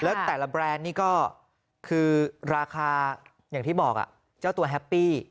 แล้วแต่ละแบรนด์นี่ก็คือราคาอย่างที่บอกเจ้าตัวแฮปปี้